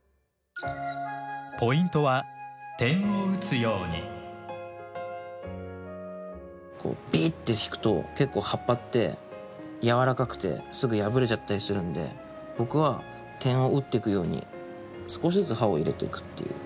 ポイントはこうビーッて引くと結構葉っぱってやわらかくてすぐ破れちゃったりするんで僕は点をうってくように少しずつ刃を入れていくっていう。